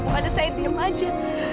pokoknya saya diam aja